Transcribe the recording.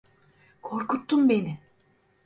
Korkuttun beni.